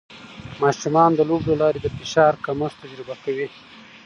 ماشومان د لوبو له لارې د فشار کمښت تجربه کوي.